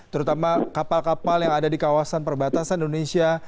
terutama kapal kapal yang ada di kawasan perbatasan indonesia